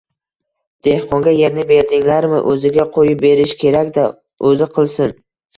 Dehqonga yerni berdinglarmi, o‘ziga qo‘yib berish kerak-da! O‘zi qilsin!